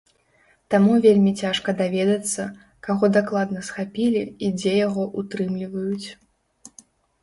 Таму вельмі цяжка даведацца, каго дакладна схапілі і дзе яго ўтрымліваюць.